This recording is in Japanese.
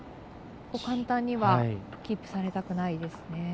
簡単にはキープされたくないです。